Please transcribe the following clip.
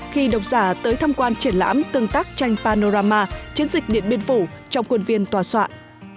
khi độc giả tới tham quan triển lãm tương tác tranh panorama chiến dịch điện biên phủ trong khuôn viên tòa soạn